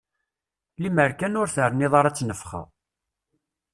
Lemmer kan ur terniḍ ara ttnefxa.